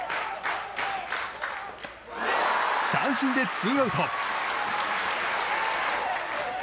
三振でツーアウト。